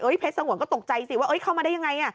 เฮ้ยเพชรสงวนก็ตกใจสิว่าเฮ้ยเข้ามาได้อย่างไร